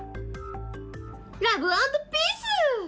ラブ＆ピース！